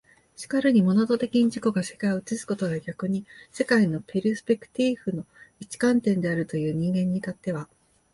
然るにモナド的に自己が世界を映すことが逆に世界のペルスペクティーフの一観点であるという人間に至っては、